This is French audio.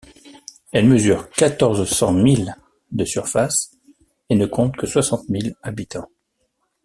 Elle mesure quatorze cents milles de surface, et ne compte que soixante mille habitants.